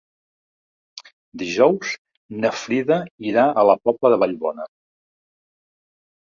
Dijous na Frida irà a la Pobla de Vallbona.